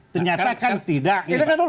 ternyata kan tidak